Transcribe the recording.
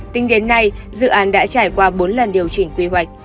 tính đến nay dự án đã trải qua bốn lần điều chỉnh quy hoạch